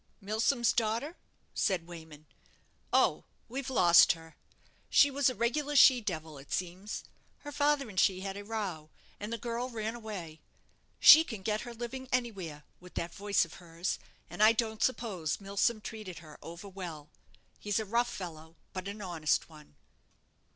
"Milsom's daughter?" said Wayman. "Oh, we've lost her She was a regular she devil, it seems. Her father and she had a row, and the girl ran away. She can get her living anywhere with that voice of hers; and I don't suppose Milsom treated her over well. He's a rough fellow, but an honest one."